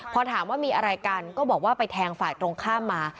พอถามว่ามีอะไรกันก็บอกว่าไปแทงฝ่ายตรงข้ามมา